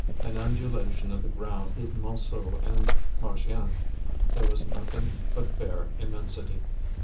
An undulation of the ground hid Montsou and Marchiennes; there was nothing but bare immensity.